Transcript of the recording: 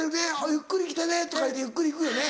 「ゆっくり来てね」とか言うてゆっくり行くよね